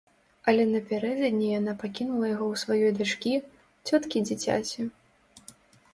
Але напярэдадні яна пакінула яго ў сваёй дачкі, цёткі дзіцяці.